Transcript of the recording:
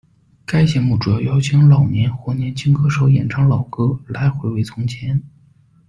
该节目主要邀请老年或年轻歌手演唱老歌，来回味从前。